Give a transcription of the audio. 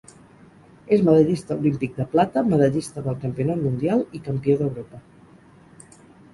És medallista olímpic de plata, medallista del Campionat Mundial i campió d'Europa.